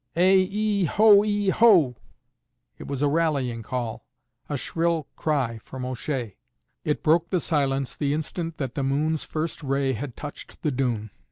"Ay ee ho ee ho!" It was a rallying call, a shrill cry, from O'Shea. It broke the silence the instant that the moon's first ray had touched the dune.